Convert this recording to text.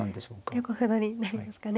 横歩取りになりますかね。